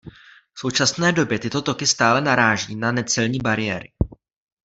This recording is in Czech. V současné době tyto toky stále naráží na necelní bariéry.